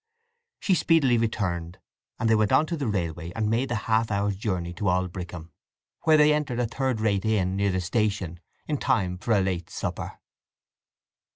She speedily returned, and they went on to the railway, and made the half hour's journey to Aldbrickham, where they entered a third rate inn near the station in time for a late supper.